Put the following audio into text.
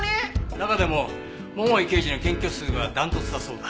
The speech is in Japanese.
中でも桃井刑事の検挙数は断トツだそうだ。